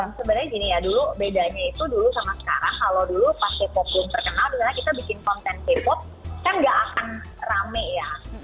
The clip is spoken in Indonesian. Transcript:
sebenarnya gini ya dulu bedanya itu dulu sama sekarang kalau dulu pas k pop belum terkenal misalnya kita bikin konten k pop kan gak akan rame ya